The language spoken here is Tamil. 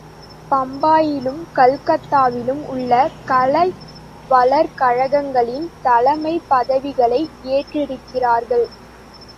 பம்பாயிலும், கல்கத்தாவிலும் உள்ள கலை வளர் கழகங்களின் தலைமைப் பதவிகளை ஏற்றிருக்கிறார்கள்.